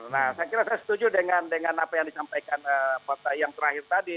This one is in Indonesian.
nah saya kira saya setuju dengan apa yang disampaikan pak tayang terakhir tadi